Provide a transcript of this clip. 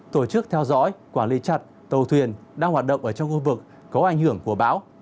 tổ chức theo dõi quản lý chặt tàu thuyền đang hoạt động ở trong khu vực có ảnh hưởng của bão